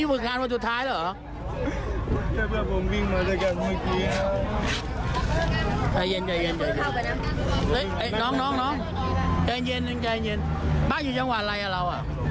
บ้านอยู่ช่วงหวานอะไรอะเรา